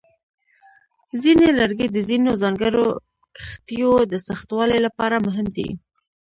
ځینې لرګي د ځینو ځانګړو کښتیو د سختوالي لپاره مهم دي.